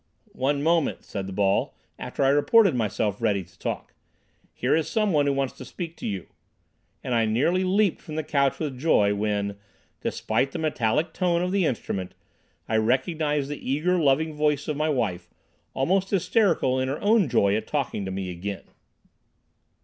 "One moment," said the ball, after I reported myself ready to talk. "Here is someone who wants to speak to you." And I nearly leaped from the couch with joy when, despite the metallic tone of the instrument, I recognized the eager, loving voice of my wife, almost hysterical in her own joy at talking to me again.